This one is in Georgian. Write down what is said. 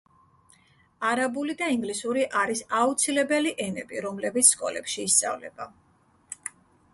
არაბული და ინგლისური არის აუცილებელი ენები, რომლებიც სკოლებში ისწავლება.